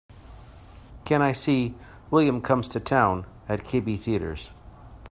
Can I see William Comes to Town at KB Theatres